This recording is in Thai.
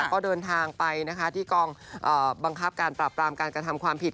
ก็เดินทางไปนะคะที่กองบังคับการปราบปรามการกระทำความผิด